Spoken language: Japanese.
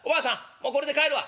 もうこれで帰るわ」。